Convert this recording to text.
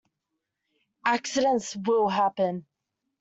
Accidents will happen.